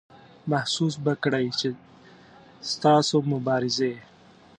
محسوس به کړئ چې ستاسو مبارزې.